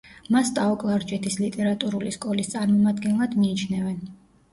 მას ტაო-კლარჯეთის ლიტერატურული სკოლის წარმომადგენლად მიიჩნევენ.